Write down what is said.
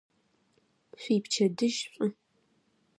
Шъуипчэдыжь шӏу!